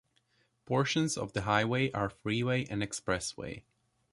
Portions of the highway are freeway and expressway.